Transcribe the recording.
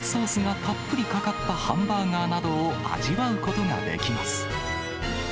こぼれるほどひき肉ソースがたっぷりかかったハンバーガーなどを味わうことができます。